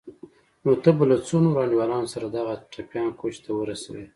نو ته به له څو نورو انډيوالانو سره دغه ټپيان کوټې ته ورسوې.